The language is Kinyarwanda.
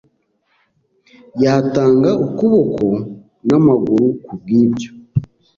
Yatanga ukuboko n'amaguru kubwibyo.